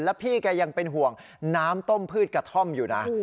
แล้วพี่แกยังเป็นห่วงน้ำต้มพืชกระท่อมอยู่นะ